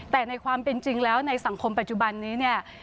แต่ในความเป็นจริงแล้วในสังคมปัจจุบันนี้เนี่ย